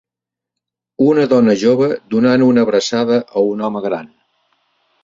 Una dona jove donant una abraçada a un home gran.